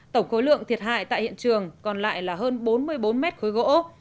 tổng khối lượng thiệt hại tại hiện trường còn lại là hơn bốn mươi bốn mét khối gỗ